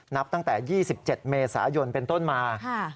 นับตั้งแต่๒๗เมษายนเป็นต้นมา